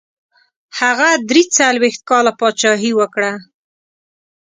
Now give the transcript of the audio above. هغه دري څلوېښت کاله پاچهي وکړه.